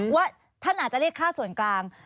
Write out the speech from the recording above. ว่าท่านอาจจะเรียกค่าส่วนกลาง